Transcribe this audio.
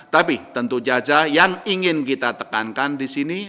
tapi tentu jaja yang ingin kita tekankan di sini